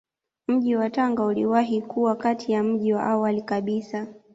Mji wa Tanga uliwahi kuwa kati ya miji ya awali kabisa